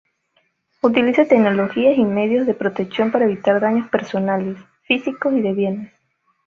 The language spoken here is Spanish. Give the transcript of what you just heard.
Utiliza tecnologías y medios de protección para evitar daños personales, físicos y de bienes.